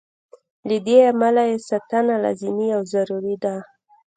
له دې امله یې ساتنه لازمه او ضروري ده.